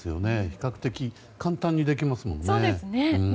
比較的簡単にできますもんね。